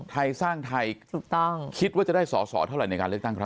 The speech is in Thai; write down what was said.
ไทสร้างไทคิดว่าจะได้สอสอเท่าไหร่ในการเลือกตั้งครับ